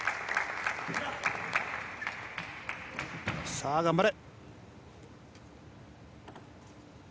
さあ、頑張れ。